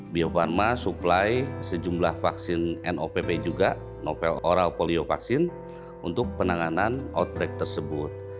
bio farma supply sejumlah vaksin nopp juga novel oral polio vaksin untuk penanganan outbreak tersebut